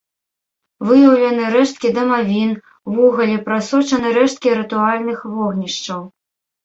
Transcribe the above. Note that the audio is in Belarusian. Выяўлены рэшткі дамавін, вугалі, прасочаны рэшткі рытуальных вогнішчаў.